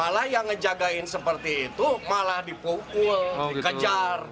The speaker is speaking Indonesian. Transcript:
dia jagain seperti itu malah dipukul dikejar